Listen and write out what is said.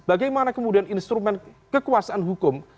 bagaimana kemudian instrumen kekuasaan hukum